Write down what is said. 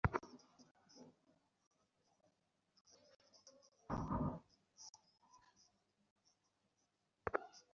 এদের হাত থেকে কে বাঁচাবে এবার?